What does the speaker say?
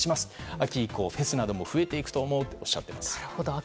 秋以降フェスなども増えていくと思うとおっしゃっています。